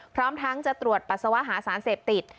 พร้อมทั้งจะตรวจปัสสาวะหาสารเสพติด